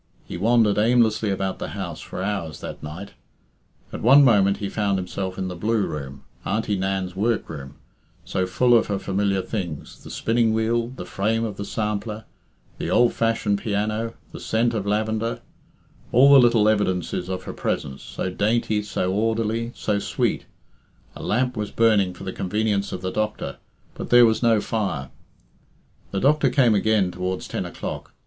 He wandered aimlessly about the house for hours that night. At one moment he found himself in the blue room, Auntie Nan's workroom, so full of her familiar things the spinning wheel, the frame of the sampler, the old fashioned piano, the scent of lavender all the little evidences of her presence, so dainty, so orderly, so sweet A lamp was burning for the convenience of the doctor, but there was no fire. The doctor came again towards ten o'clock.